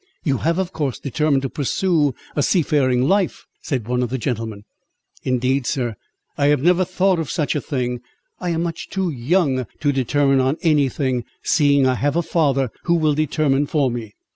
"You have of course determined to pursue a seafaring life?" said one of the gentlemen. "Indeed, sir, I have never thought of such a thing; I am much too young to determine on any thing, seeing I have a father who will determine for me."